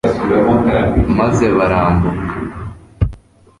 maze barambuka